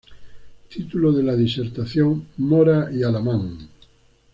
Título de la Disertación: "Mora y Alamán.